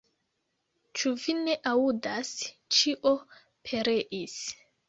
Ĉu vi ne aŭdas, ĉio pereis!